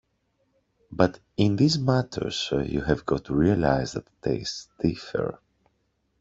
But in these matters you have got to realize that tastes differ.